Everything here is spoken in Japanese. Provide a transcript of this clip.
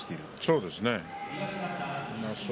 そうですね。